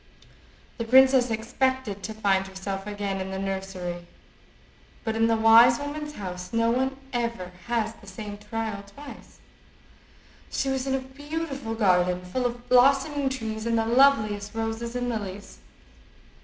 The princess expected to find herself again in the nursery, but in the wise woman's house no one ever has the same trial twice. She was in a beautiful garden, full of blossoming trees and the loveliest roses and lilies.